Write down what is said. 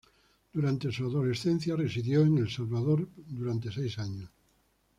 Durante su adolescencia residió en El Salvador por seis años.